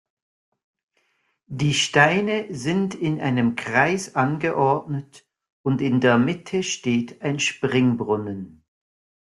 Die Steine sind in einem Kreis angeordnet und in der Mitte steht ein Springbrunnen.